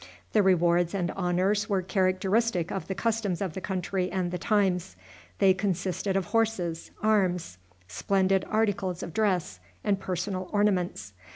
The rewards and honors were characteristic of the customs of the country and the times. They consisted of horses, arms, splendid articles of dress, and personal ornaments.